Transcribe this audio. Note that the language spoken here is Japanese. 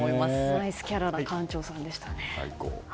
ナイスキャラな館長さんでしたね。